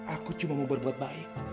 aku cuma mau berbuat baik